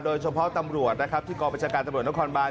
โดยเฉพาะตำรวจที่กบัญชาการตำรวจนครบาน